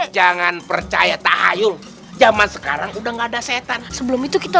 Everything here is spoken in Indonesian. jangan percaya tahayul zaman sekarang udah nggak ada setan sebelum itu kita